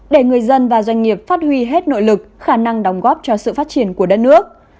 để người dân và doanh nghiệp phát huy hết nội lực khả năng đóng góp cho sự phát triển của đất nước